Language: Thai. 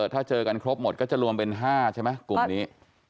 ถ้าเจอกันครบหมดก็จะรวมเป็น๕ใช่ไหมกลุ่มนี้